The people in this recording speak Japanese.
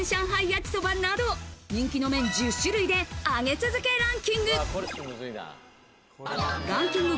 焼そばなど人気の麺１０種類で上げ続けランキング。